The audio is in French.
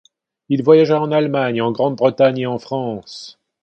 Il voyagea en Allemagne, en Grande-Bretagne et en France.